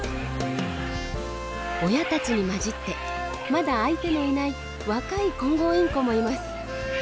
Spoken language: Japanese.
親たちに交じってまだ相手のいない若いコンゴウインコもいます。